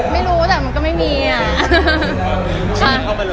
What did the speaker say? ไม่รู้แต่มันก็ไม่มีอ่ะ